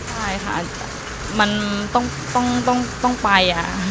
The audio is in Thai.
ใช่ค่ะมันต้องไป